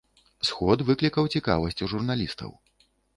Сход выклікаў цікавасць у журналістаў.